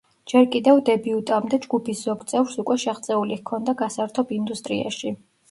ჯერ კიდევ დებიუტამდე ჯგუფის ზოგ წევრს უკვე შეღწეული ჰქონდა გასართობ ინდუსტრიაში.